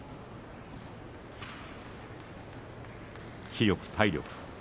気力、体力。